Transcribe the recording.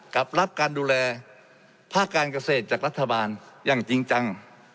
กับรับการดูแลภาคการเกษตรจากรัฐบาลอย่างจริงจัง